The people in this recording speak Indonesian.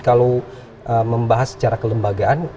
kalau membahas secara kelembagaan